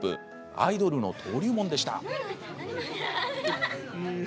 アイドルの登竜門でした。